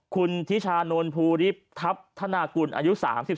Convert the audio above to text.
คุณทิชานนท์ภูริพทัพธนากุลอายุ๓๒